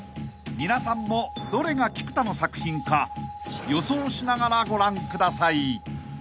［皆さんもどれが菊田の作品か予想しながらご覧ください］